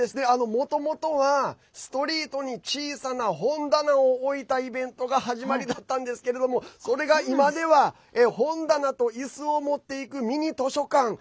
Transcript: もともとはストリートに小さな本棚を置いたイベントが始まりだったんですけれどもそれが今では本棚と、いすを持っていくミニ図書館。